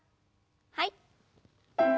はい。